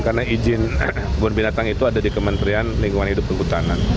karena izin kebun binatang itu ada di kementerian lingkungan hidup dan kehutanan